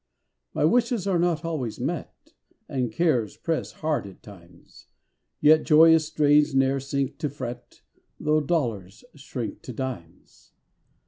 My wishes are not always met, And cares press hard at times; Yet joyous strains ne'er sink to fret, Tho' dollars shrink to dimes.